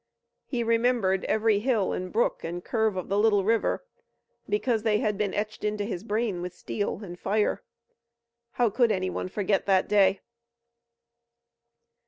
He remembered every hill and brook and curve of the little river, because they had been etched into his brain with steel and fire. How could anyone forget that day?